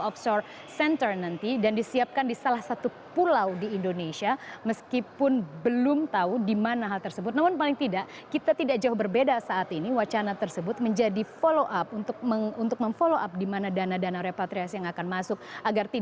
berita terkini dari dpr